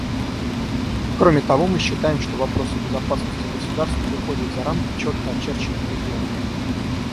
Кроме того, мы считаем, что вопросы безопасности государств выходят за рамки четко очерченных регионов.